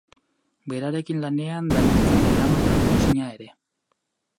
Berarekin lanean dabiltza bere ama eta lehengusina ere.